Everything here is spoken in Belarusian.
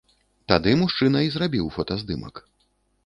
Тады мужчына і зрабіў фотаздымак.